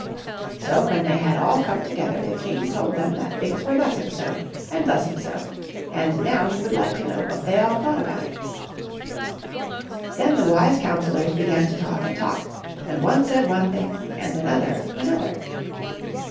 So, when they had all come together the king told them that thii^ were thus and so, and thus and so, and now he would like to know what they all thought about it. Then the wise councillors began to talk and talk, and one said one thing and another another.